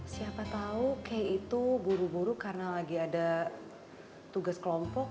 siapa tahu kay itu buru buru karena lagi ada tugas kelompok